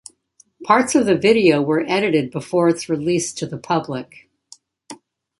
Parts of the video were edited before its release to the public.